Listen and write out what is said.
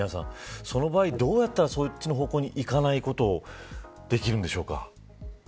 その場合、どうしたらその方向に行かないことができるんでしょうか。